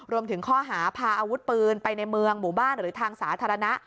รวมถึงข้อหาพาอาวุธปืนไปในเมืองหมู่บ้านหรือทางสาธารณะ